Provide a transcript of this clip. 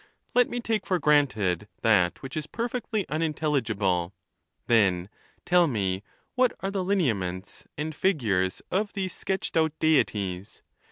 Let me take for granted that which is perfectly unin telligible; then tell me what are the lineaments and fig 236 THE NATURE OF THE GODS. ures of these sketched out Deities.